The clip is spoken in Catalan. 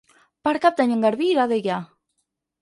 Per Cap d'Any en Garbí irà a Deià.